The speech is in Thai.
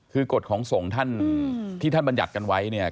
คือกฎของส่งท่านที่ท่านบรรยัติกันไว้เนี่ย